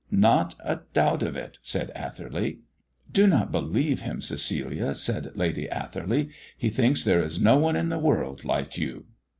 "Not a doubt of it," said Atherley. "Do not believe him, Cecilia," said Lady Atherley: "he thinks there is no one in the world like you."